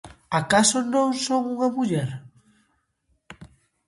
Acaso non son unha muller?